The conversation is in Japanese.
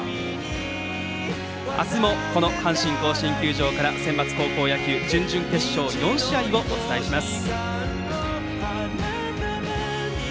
明日も阪神甲子園球場からセンバツ高校野球準々決勝４試合をお伝えします。